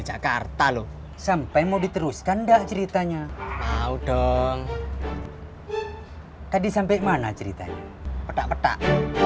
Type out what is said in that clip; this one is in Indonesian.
jakarta loh sampai mau diteruskan enggak ceritanya mau dong tadi sampai mana ceritanya petak petak